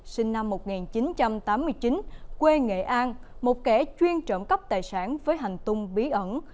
sinh năm một nghìn chín trăm tám mươi chín quê nghệ an một kẻ chuyên trộm cắp tài sản với hành tung bí ẩn